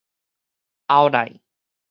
後來